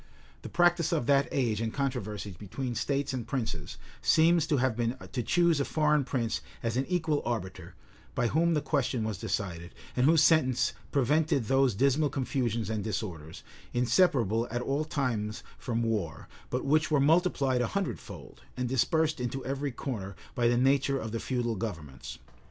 The practice of that age in controversies between states and princes, seems to have been to choose a foreign prince as an equal arbiter, by whom the question was decided, and whose sentence prevented those dismal confusions and disorders, inseparable at all times from war, but which were multiplied a hundred fold, and dispersed into every corner, by the nature of the feudal governments.